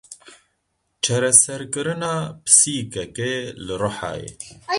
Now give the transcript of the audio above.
Çereserkirina pisîkekê li Rihayê.